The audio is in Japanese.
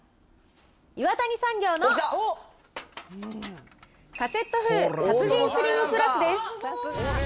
岩谷産業のカセットフー達人スリムプラスです。